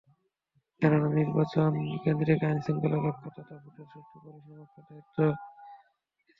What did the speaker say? কেননা, নির্বাচনকেন্দ্রিক আইনশৃঙ্খলা রক্ষা, তথা ভোটের সুষ্ঠু পরিবেশ রক্ষার দায়িত্ব ইসিরই।